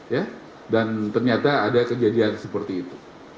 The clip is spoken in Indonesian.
ya dan ternyata ada kejadian seperti itu